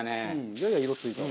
やや色付いた。